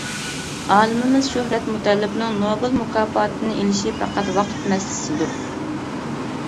ئالىمىمىز شۆھرەت مۇتەللىپنىڭ نوبېل مۇكاپاتىنى ئېلىشى پەقەت ۋاقىت مەسىلىسىدۇر!